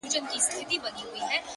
د وخت ناخوالي كاږم ـ